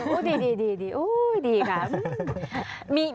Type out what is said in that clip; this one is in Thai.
อื้อดีดีกัน